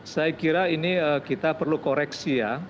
saya kira ini kita perlu koreksi ya